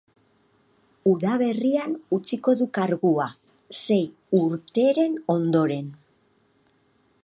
Udaberrian utziko du kargua, sei urteren ondoren.